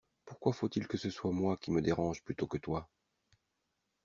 Pourquoi faut-il que ce soit moi qui me dérange plutôt que toi ?